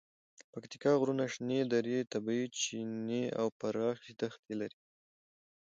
پکتیکا غرونه، شنې درې، طبیعي چینې او پراخې دښتې لري.